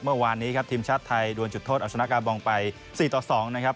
เมื่อวานนี้ครับทีมชาติไทยดวนจุดโทษเอาชนะกาบองไป๔ต่อ๒นะครับ